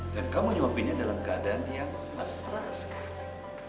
kamu nyuapinnya dalam keadaan yang mesra sekali